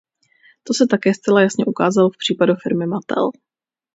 To se také zcela jasně ukázalo v případu firmy Mattel.